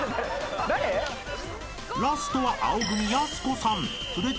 ［ラストは青組やす子さん］